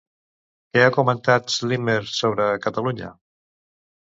Què ha comentat Slemyr sobre Catalunya?